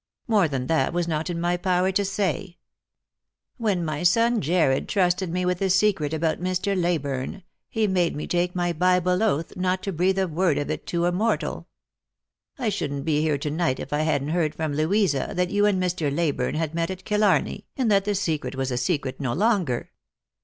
More than that was not in my power to say. When my son Jarred trusted me with the secret about Mr. Leyburne, he made me take my Bible oath not to breathe a word of it to a mortial. I shouldn't be here to night if I hadn't heard from Louisa that you and Mr. Leyburne had met at Killarney, and that the secret was a secret no ionger."